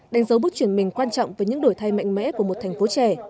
đánh dấu bước chuyển mình quan trọng với những đổi thay mạnh mẽ của một thành phố trẻ